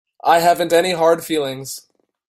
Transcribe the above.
I haven't any hard feelings.